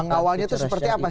pengawalnya itu seperti apa